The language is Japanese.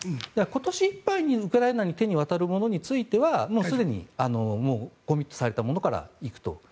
今年いっぱいにウクライナの手に渡るものについてはすでにコミットされたものから行くと。